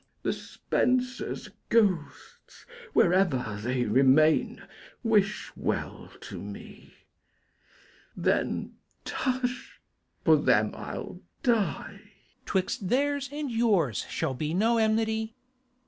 The Spensers' ghosts, wherever they remain, Wish well to mine; then, tush, for them I'll die. Mat. 'Twixt theirs and yours shall be no enmity.